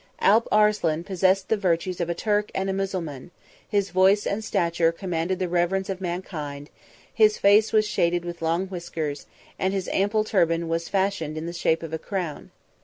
39 Alp Arslan possessed the virtues of a Turk and a Mussulman; his voice and stature commanded the reverence of mankind; his face was shaded with long whiskers; and his ample turban was fashioned in the shape of a crown.